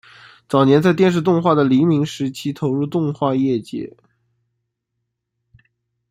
早年在电视动画的黎明时期投入动画业界。